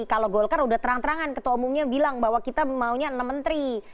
kalau golkar udah terang terangan ketua umumnya bilang bahwa kita maunya enam menteri